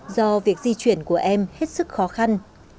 do việc di chuyển của em hết sức khó khăn